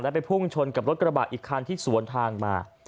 ไปพุ่งชนกับรถกระบะอีกคันที่สวนทางมา